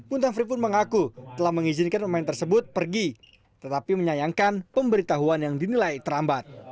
utang free pun mengaku telah mengizinkan pemain tersebut pergi tetapi menyayangkan pemberitahuan yang dinilai terambat